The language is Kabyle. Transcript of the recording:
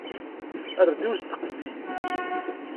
Err-d i usteqsi.